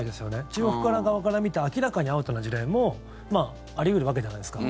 中国側から見て明らかにアウトな事例もあり得るわけじゃないですか。